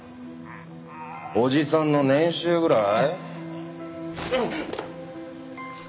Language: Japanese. おじさんの年収ぐらい？